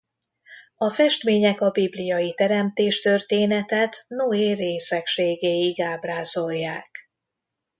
A festmények a bibliai teremtés-történetet Noé részegségéig ábrázolják.